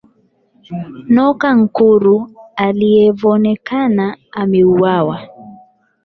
Noka nkuru alievonekana ameuwawa